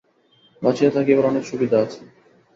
বাঁচিয়া থাকিবার অনেক সুবিধা আছে।